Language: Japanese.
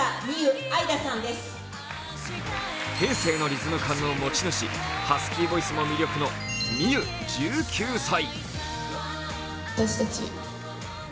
天性のリズム感の持ち主、ハスキーボイスも魅力のｍｉｙｏｕ１９歳。